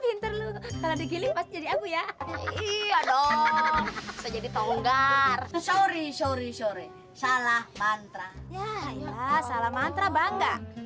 iya ya internet kalau aimnya gini jadi apaoleran loh ya iya dong saya jadi tonggar inside what happened to